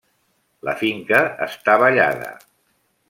La finca està ballada.